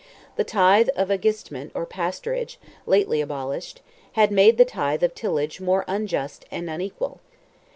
The tithe of agistment or pasturage, lately abolished, had made the tithe of tillage more unjust and unequal.